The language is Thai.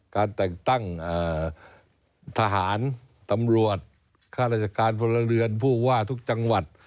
การแต่งตั้งทหารตำรวจข้าราชการพลเรือนผู้ว่าทุกจังหวัด